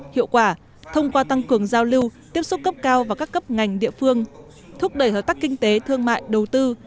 hiệu quả thông qua tăng cường giao lưu tiếp xúc cấp cao và các cấp ngành địa phương thúc đẩy hợp tác kinh tế thương mại đầu tư